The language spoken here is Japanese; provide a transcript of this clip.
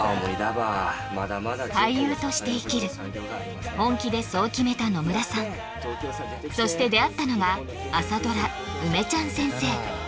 俳優として生きる本気でそう決めた野村さんそして出会ったのが朝ドラ「梅ちゃん先生」